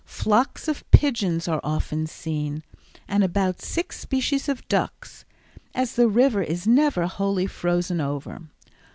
Flocks of pigeons are often seen, and about six species of ducks, as the river is never wholly frozen over.